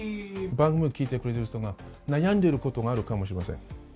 番組を聞いてくれている人が悩んでいることがあるかもしれません。